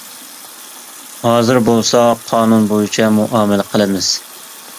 ھازىر بولسا قانۇن بويىچە مۇئامىلە قىلىمىز.